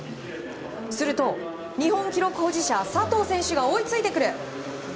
すると日本記録保持者佐藤選手が追いついてくる。